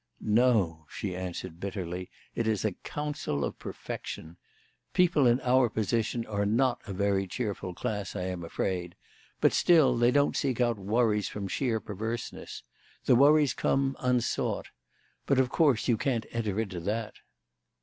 "No," she answered bitterly; "it is a counsel of perfection. People in our position are not a very cheerful class, I am afraid; but still they don't seek out worries from sheer perverseness. The worries come unsought. But, of course, you can't enter into that."